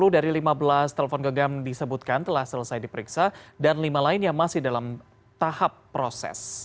sepuluh dari lima belas telepon genggam disebutkan telah selesai diperiksa dan lima lainnya masih dalam tahap proses